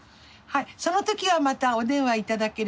その時はまたお電話頂ければ。